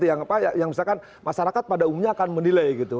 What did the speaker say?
misalkan masyarakat pada umumnya akan menilai